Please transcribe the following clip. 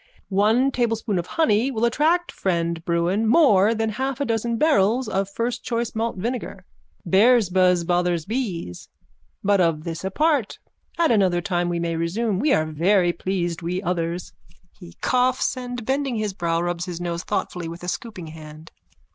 One tablespoonful of honey will attract friend Bruin more than half a dozen barrels of first choice malt vinegar. Bear's buzz bothers bees. But of this apart. At another time we may resume. We were very pleased, we others. _(He coughs and, bending his brow, rubs his nose thoughtfully with a scooping hand.)